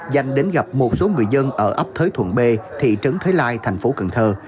danh đến gặp một số người dân ở ấp thới thuận b thị trấn thới lai thành phố cần thơ